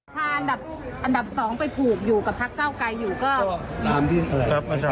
คำถามที่ร่วมไกลกำหนังรัฐบาลนี้เงื่อนไขอะไรบ้างค่ะ